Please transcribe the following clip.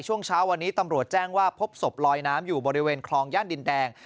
ช่วงเช้าวันนี้ตำรวจแจ้งว่าพบศพลอยน้ำอยู่บริเวณคลองย่านดินแดง